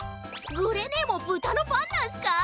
グレねえも豚のファンなんすか？